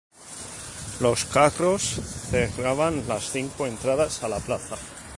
Los carros cerraban las cinco entradas a la plaza.